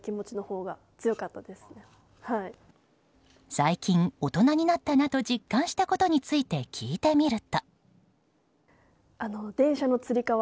最近、大人になったなと実感したことについて聞いてみると。